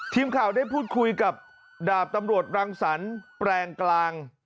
ทีมข่าวได้พูดคุยกับดาบตำรวจรังสรรค์แปลงกลาง